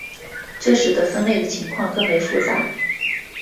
这使得分类的情况更为复杂。